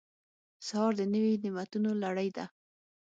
سهار د نوي نعمتونو لړۍ ده.